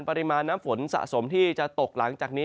ปริมาณน้ำฝนสะสมที่จะตกหลังจากนี้